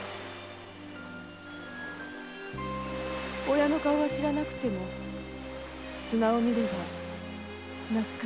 親の顔は知らなくても砂を見れば懐かしいカニは思い出せます。